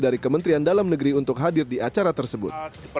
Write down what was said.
dari kementerian dalam negeri untuk hadir di acara tersebut